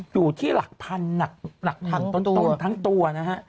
อยู่ที่หลักพันหลักพันต้นทั้งตัวนะฮะ